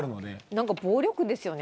何か暴力ですよね